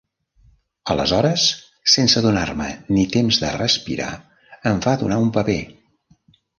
Aleshores, sense donar-me ni temps de respirar, em va donar un paper.